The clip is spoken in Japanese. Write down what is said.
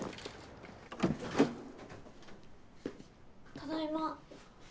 ただいま。